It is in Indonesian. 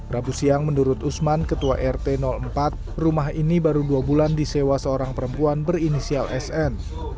rabu siang menurut usman ketua rt empat rumah ini baru dua bulan disewa seorang perempuan berinisial sn